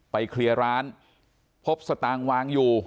เคลียร์ร้านพบสตางค์วางอยู่